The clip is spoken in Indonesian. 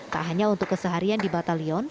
tak hanya untuk keseharian di batalion